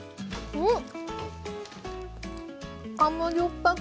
うん！